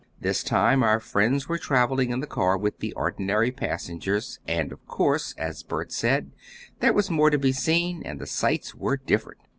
This time our friends were traveling in the car with the ordinary passengers, and, of course, as Bert said, there was more to be seen and the sights were different.